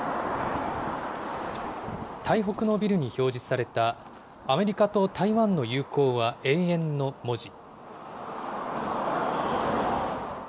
台北のビルに表示された、アメリカと台湾の友好は永遠の文字。